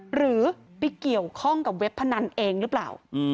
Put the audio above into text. หรือไปเกี่ยวข้องกับเว็บพนันเองหรือเปล่า